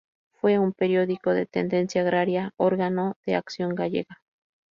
Fue un periódico de tendencia agraria, órgano de Acción Gallega.